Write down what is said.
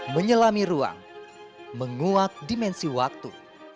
menyelami ruang menguat dimensi waktu